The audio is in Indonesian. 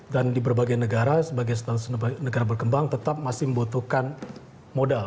dan di berbagai negara sebagai status negara berkembang tetap masih membutuhkan modal